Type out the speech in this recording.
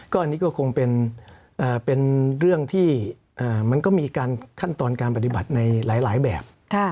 อันนี้ก็คงเป็นเรื่องที่มันก็มีการขั้นตอนการปฏิบัติในหลายแบบ